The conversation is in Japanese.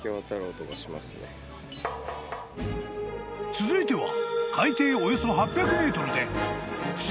［続いては］